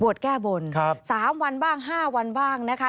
แก้บน๓วันบ้าง๕วันบ้างนะคะ